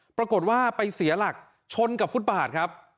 ปรากฏว่าไปเสียหลักชนกับฟุตบาทครับ